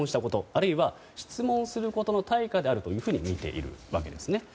あるいは質問することの対価であると見ているわけですね。